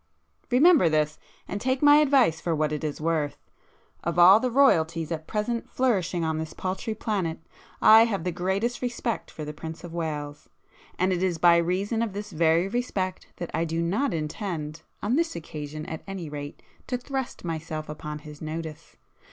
Remember this, and take my advice for what it is worth. Of all the Royalties at present flourishing on this paltry planet, I have the greatest respect for the Prince of Wales, and it is by reason of this very respect that I do not intend, on this occasion at any rate, to thrust myself upon his notice.